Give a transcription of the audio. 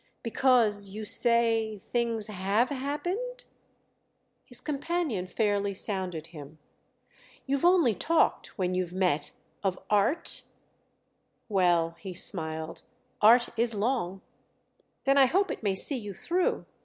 "Because—you say—things have happened?" His companion fairly sounded him. "You've only talked—when you've met—of 'art'?" "Well," he smiled, "'art is long'!" "Then I hope it may see you through!